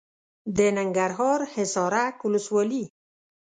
د ننګرهار حصارک ولسوالي .